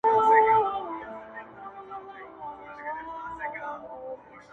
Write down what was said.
چي زموږ پر ښار باندي ختلی لمر په کاڼو ولي-